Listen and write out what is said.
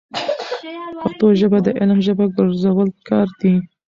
پښتو ژبه د علم ژبه ګرځول پکار دي.